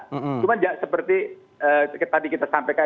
cuma seperti tadi kita sampaikan